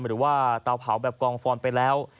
หรือว่าเตาเผาแบบกองฟอนไปแล้ว